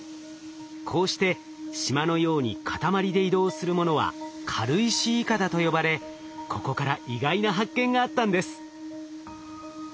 こうして島のように塊で移動するものは「軽石いかだ」と呼ばれここから意外な発見があったんです。